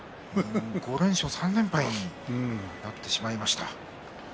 ５連勝のあと３連敗になってしまいました。